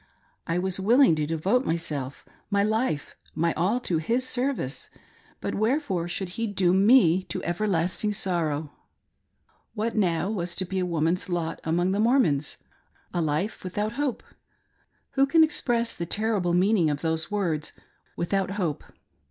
I was willing to devote myself, my life, my all to His service, but wherefore should He doom me to everlasting sorrow. What now was to be a woman's lot among the Mormons > A life without hope ! Who can express the terrible meaning of those words — without hope!